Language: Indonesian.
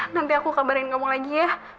nanti aku kabarin ngomong lagi ya